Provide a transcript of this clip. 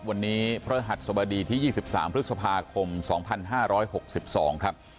วันนี้พระหัสสบดีที่๒๓พฤษภาคม๒๕๖๒ครับ